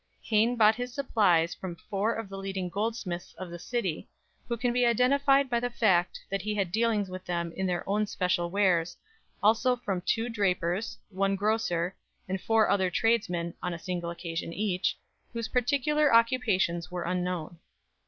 Hayne bought his supplies from four of the leading goldsmiths of the city, who can be identified by the fact that he had dealings with them in their own special wares, also from two drapers, one grocer, and four other tradesmen (on a single occasion each) whose particular occupations are unknown.